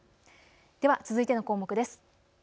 では続いての項目です。